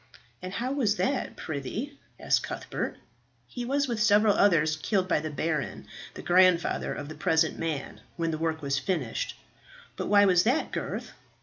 "And how was that, prithee?" asked Cuthbert. "He was, with several others, killed by the baron, the grandfather of the present man, when the work was finished." "But why was that, Gurth?"